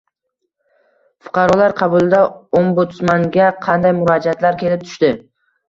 Fuqarolar qabulida Ombudsmanga qanday murojaatlar kelib tushdi?